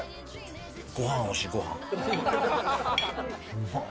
うまっ！